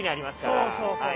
そうそうそう。